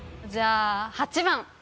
じゃあ８番。